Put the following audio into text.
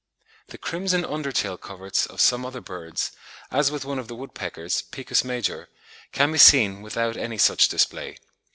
The crimson under tail coverts of some other birds, as with one of the woodpeckers, Picus major, can be seen without any such display.